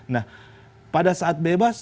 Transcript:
nah pada saat bebas